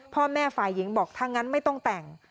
พ่อแม่ฝ่ายหญิงบอกถ้างั้นไม่ต้องแต่ง